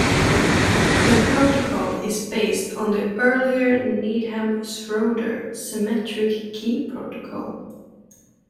The protocol is based on the earlier Needham-Schroeder symmetric key protocol.